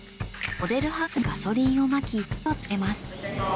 モデルハウスにガソリンをまき火をつけます。